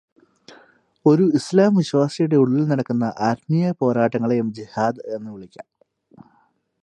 ഒരു ഇസ്ലാം വിശ്വാസിയുടെ ഉള്ളില് നടക്കുന്ന ആത്മീയ പോരാട്ടങ്ങളേയും ജിഹാദ് എന്നു വിളിക്കാം.